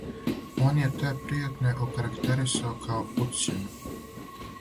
"Он је те пријетње окарактеризирао као "уцјену"."